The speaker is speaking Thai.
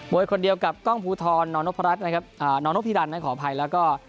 โบยคนเดียวกับกล้องผูทรนอนพิรรณขออภัยแล้วก็